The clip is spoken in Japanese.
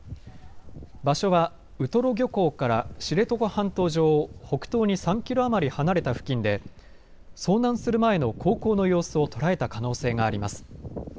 場所はウトロ漁港から知床半島上を北東に３キロ余り離れた付近で遭難する前の航行の様子を捉えた可能性があります。